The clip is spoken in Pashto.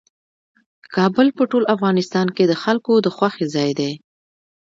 کابل په ټول افغانستان کې د خلکو د خوښې ځای دی.